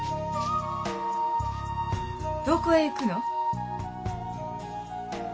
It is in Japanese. どこへ行くの？